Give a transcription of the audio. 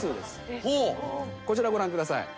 こちらご覧ください。